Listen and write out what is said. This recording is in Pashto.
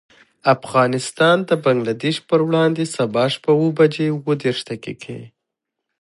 افغانستان د بنګلدېش پر وړاندې، سبا شپه اوه بجې او دېرش دقيقې.